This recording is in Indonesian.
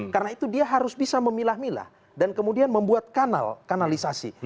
karena itu dia harus bisa memilah milah dan kemudian membuat kanal kanalisasi